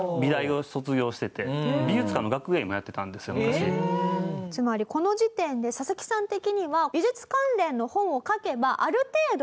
最初につまりこの時点でササキさん的には。